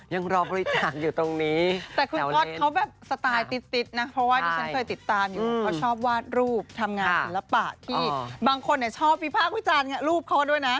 ยังรอบวิจารณ์อยู่ตรงนี้